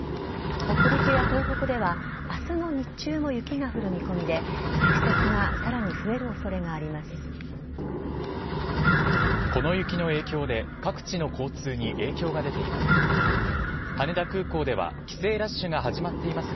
北陸や東北ではあすの日中も雪が降る見込みで、積雪がさらに増えるおそれがあります。